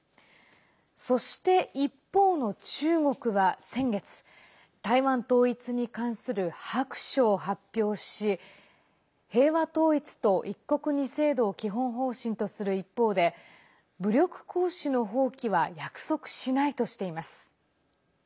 そして、一方の中国は先月台湾統一に関する白書を発表し平和統一と一国二制度を基本方針とする一方で武力行使の放棄は約束しないとしています。